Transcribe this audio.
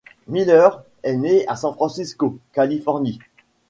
Miller est né à San Francisco, Californie.